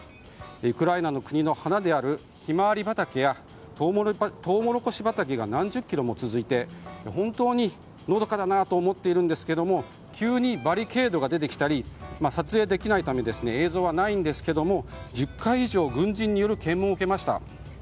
ウクライナの国の花であるヒマワリ畑やトウモロコシ畑が何十キロも続いて本当にのどかだなと思っていたんですが急にバリケードが出てきたり撮影できないため映像はないんですが１０回以上、軍人による検問を受けました。